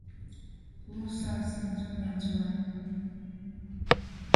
Loo starts in June and July.